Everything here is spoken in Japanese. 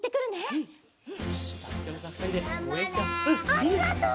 ありがとう！